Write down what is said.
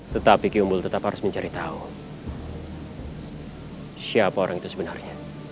tetapi kiumbul tetap harus mencari tahu siapa orang itu sebenarnya